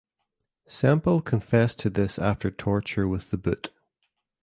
Sempill confessed to this after torture with the boot.